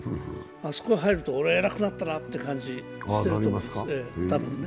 あそこへ入ると、俺、偉くなったなっていう感じがすると思います、多分ね。